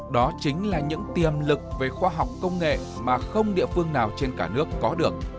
đó chính là những tiềm lực về khoa học công nghệ mà không địa phương nào trên cả nước có được